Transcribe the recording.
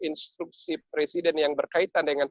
instruksi presiden yang berkaitan dengan